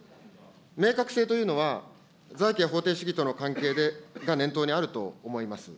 明確性というのは財政法定主義との関係が念頭にあると思います。